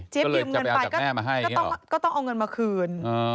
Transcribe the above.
เจ๊บยืมเงินไปก็เลยจะไปเอาจากแม่มาให้นี่หรอก็ต้องเอาเงินมาคืนอ๋อ